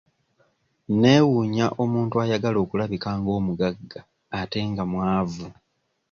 Neewuunya omuntu ayagala okulabika nga omugagga ate nga mwavu.